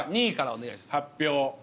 ２位から発表を。